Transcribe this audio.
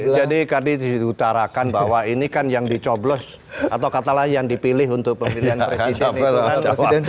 jadi tadi diutarakan bahwa ini kan yang dicoblos atau katalah yang dipilih untuk pemilihan presiden